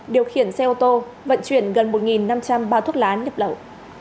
điều khiển xe ô tô vận chuyển gần một năm trăm linh bao thuốc lá nhập lậu